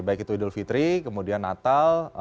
baik itu idul fitri kemudian natal